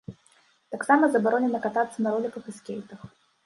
Таксама забаронена катацца на роліках і скейтах.